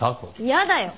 嫌だよ。